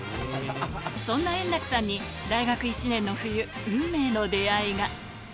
そんな円楽さんに、大学１年の冬、運命の出会いが。